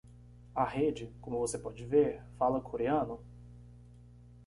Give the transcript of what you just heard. A rede, como você pode ver, fala coreano?